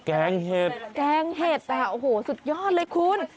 แกงเห็ดแกงเห็ดอ่ะโอ้โหสุดยอดเลยคุณ